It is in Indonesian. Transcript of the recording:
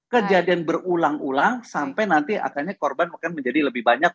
kejadian berulang ulang sampai nanti akhirnya korban akan menjadi lebih banyak